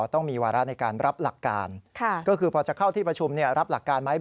ต้องมีวาระในการรับหลักการก็คือพอจะเข้าที่ประชุมรับหลักการไหม